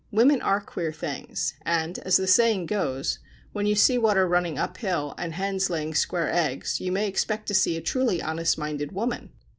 Women are queer things, and, as the saying goes, when you see water running up hill and hens laying square eggs you may expect to see a truly honest minded woman.